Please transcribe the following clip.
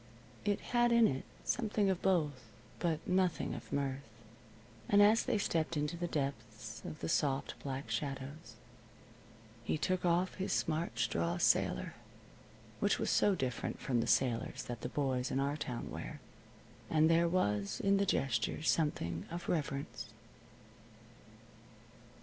It had in it something of both, but nothing of mirth. And as they stepped into the depths of the soft black shadows he took off his smart straw sailor, which was so different from the sailors that the boys in our town wear. And there was in the gesture something of reverence.